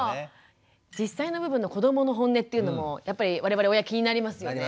実際の部分の子どもの本音っていうのもやっぱり我々親気になりますよね。